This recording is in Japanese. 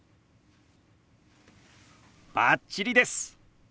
バッチリです！